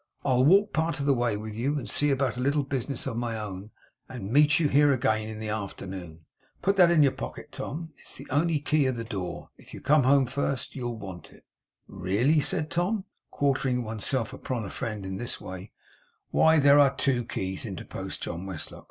I'll walk part of the way with you; and see about a little business of my own, and meet you here again in the afternoon. Put that in your pocket, Tom. It's only the key of the door. If you come home first you'll want it.' 'Really,' said Tom, 'quartering one's self upon a friend in this way ' 'Why, there are two keys,' interposed John Westlock.